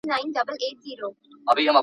څوک چي ستوان خوري شپېلۍ نه وهي !.